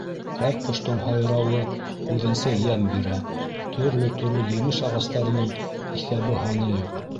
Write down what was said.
Һәр ҡоштоң һайрауы үҙенсә йәм бирә, төрлө-төрлө емеш ағастарының иҫәбе-һаны юҡ.